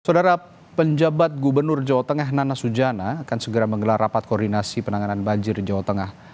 saudara penjabat gubernur jawa tengah nana sujana akan segera menggelar rapat koordinasi penanganan banjir di jawa tengah